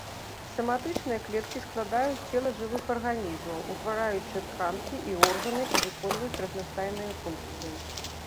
Саматычныя клеткі складаюць цела жывых арганізмаў, утвараючы тканкі і органы, і выконваюць разнастайныя функцыі.